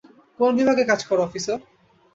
কোন বিভাগে কাজ করো, অফিসার?